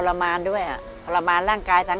เพราะว่าใช้ชีวิตคู่มาด้วยกัน